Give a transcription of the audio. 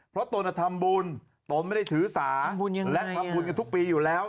เพราะต้นจะทำบุญต้นไม่ได้ถือสาทำบุญยังไงและทำบุญกันทุกปีอยู่แล้ว